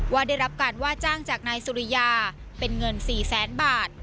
ได้รับการว่าจ้างจากนายสุริยาเป็นเงิน๔แสนบาท